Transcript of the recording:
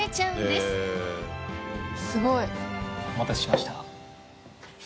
すごい。お待たせしました。